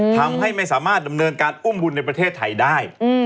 ทำให้ไม่สามารถดำเนินการอุ้มบุญในประเทศไทยได้